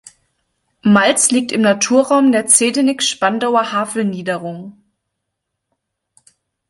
Malz liegt im Naturraum der Zehdenick-Spandauer Havelniederung.